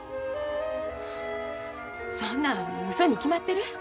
そんなんうそに決まってる。